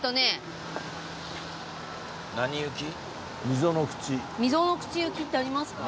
溝口行きってありますか？